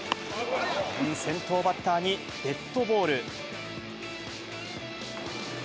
先頭バッターにデッドボール。